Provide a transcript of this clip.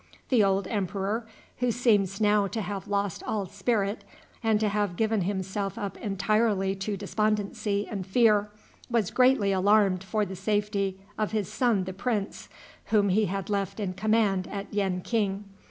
The old emperor, who seems now to have lost all spirit, and to have given himself up entirely to despondency and fear, was greatly alarmed for the safety of his son the prince, whom he had left in command at Yen king.